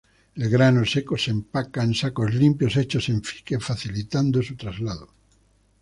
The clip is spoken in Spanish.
El grano seco se empaca en sacos limpios hechos en fique facilitando su traslado.